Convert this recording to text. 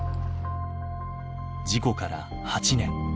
事故から８年。